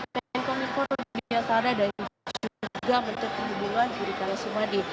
pnk milik pemimpin yang sada dan juga menteri kehubungan giri kalah sumadi